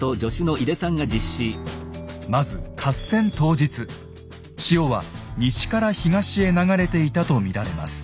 まず合戦当日潮は西から東へ流れていたと見られます。